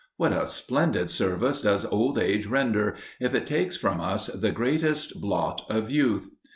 What a splendid service does old age render, if it takes from us the greatest blot of youth!